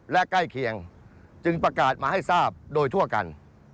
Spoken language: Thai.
และใกล้เคียงจึงประกาศมาให้ทราบโดยทั่วกัน